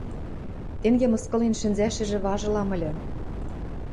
Тенге мыскылен шӹнзӓшӹжӹ важылам ыльы...